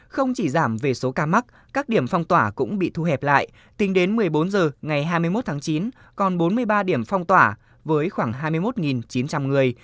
không chỉ giảm về số ca mắc các điểm phong tỏa cũng bị thu hẹp lại tính đến một mươi bốn h ngày hai mươi một tháng chín còn bốn mươi ba điểm phong tỏa với khoảng hai mươi một chín trăm linh người